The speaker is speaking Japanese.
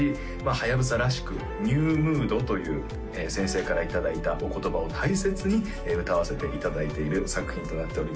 はやぶさらしくニュームードという先生からいただいたお言葉を大切に歌わせていただいている作品となっております